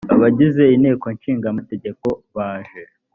abagize inteko ishinga amategeko baje